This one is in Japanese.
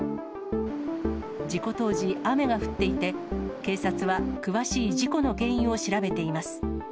事故当時、雨が降っていて、警察は、詳しい事故の原因を調べています。